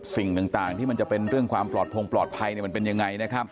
สิ่งต่างที่จะเป็นเรื่องความปลอดภงปลอดภัยเป็นยังไง